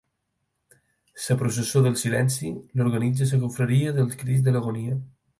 La Processó del Silenci l'organitza la Confraria del Crist de l'Agonia.